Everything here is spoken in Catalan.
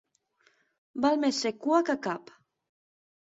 Val més ser cua que cap.